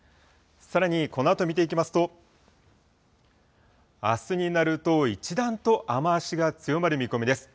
さらにこのあと見ていきますと、あすになると一段と雨足が強まる見込みです。